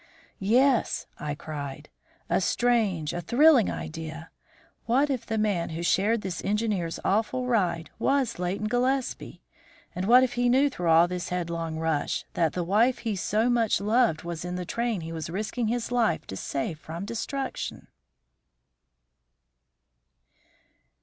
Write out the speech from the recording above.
"Yes," I cried, "a strange, a thrilling idea. What if the man who shared this engineer's awful ride was Leighton Gillespie, and what if he knew through all that headlong rush, that the wife he so much loved was in the train he was risking his life to save from destruction?"